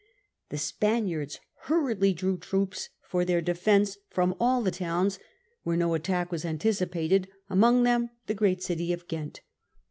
The Spaniards hurriedly drew troops for their defence from all the towns where no attack was an ticipated, among them the great city of Ghent.